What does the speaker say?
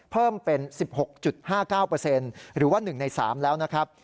เพิ่มเป็น๑๖๕๙หรือว่า๑ใน๓แล้วนะครับ